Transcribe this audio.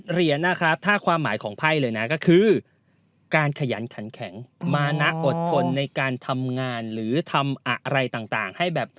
เหรียญนะครับถ้าความหมายของไพ่เลยนะก็คือการขยันขันแข็งมานะอดทนในการทำงานหรือทำอะไรต่างให้แบบ